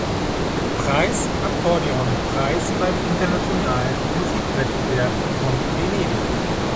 Preis Akkordeonpreis beim Internationalen Musikwettbewerb von Venedig.